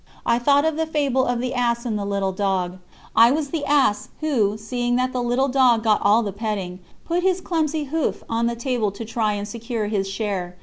I thought of the fable of the ass and the little dog; I was the ass, who, seeing that the little dog got all the petting, put his clumsy hoof on the table to try and secure his share.